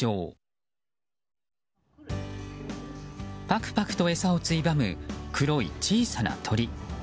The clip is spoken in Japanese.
パクパクと餌をついばむ黒い小さな鳥。